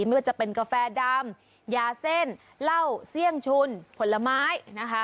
ไม่ว่าจะเป็นกาแฟดำยาเส้นเหล้าเสี่ยงชุนผลไม้นะคะ